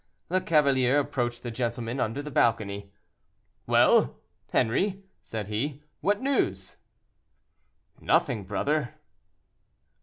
The cavalier approached the gentleman under the balcony. "Well! Henri," said he, "what news?" "Nothing, brother."